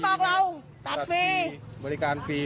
บอกเราตัดฟรีบริการฟรี